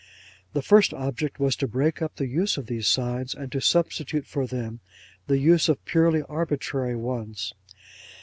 'The first object was to break up the use of these signs and to substitute for them the use of purely arbitrary ones.